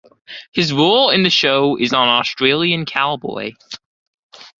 His role in the show is an Australian cowboy.